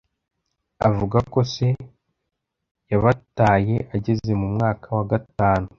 avuga ko se yabataye ageze mu mwaka wa Gatanu